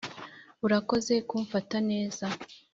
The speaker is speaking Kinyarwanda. urakoze kumfata neza